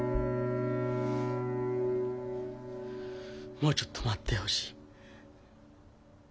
もうちょっと待ってほしい。